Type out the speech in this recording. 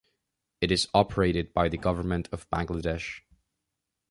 It is operated by the Government of Bangladesh.